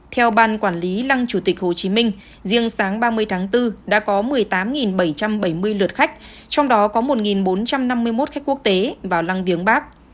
theo ban quản lý lăng chủ tịch hồ chí minh riêng sáng ba mươi tháng bốn đã có một mươi tám bảy trăm bảy mươi lượt khách trong đó có một bốn trăm năm mươi một khách quốc tế vào lăng viếng bắc